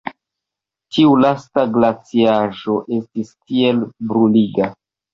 Tiu lasta glaciaĵo estis tiel bruliga!